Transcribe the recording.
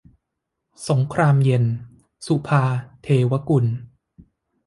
สงครามเย็น - สุภาว์ เทวกุล